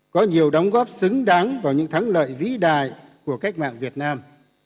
có nhiều đóng góp xứng đáng vào những thắng lợi vĩ đại của cách mạng việt nam